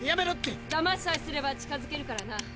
だましさえすれば近づけるからな。